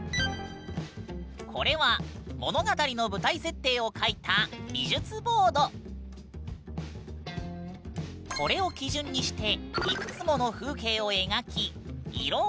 これは物語の舞台設定を描いたこれを基準にしていくつもの風景を描き色を塗っていくんだ。